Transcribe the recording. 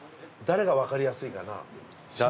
誰が分かりやすいかな。